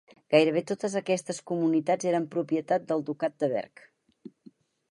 Gairebé totes aquestes comunitats eren propietat del ducat de Berg.